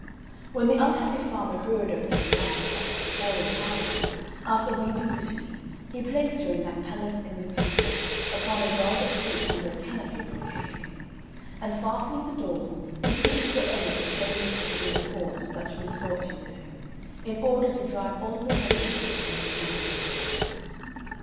When the unhappy father heard of the disaster that had befallen Talia, after weeping bitterly, he placed her in that palace in the country, upon a velvet seat under a canopy of brocade; and fastening the doors, he quitted for ever the place which had been the cause of such misfortune to him, in order to drive all remembrance of it from his mind.